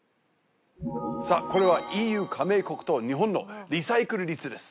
さぁこれはＥＵ加盟国と日本のリサイクル率です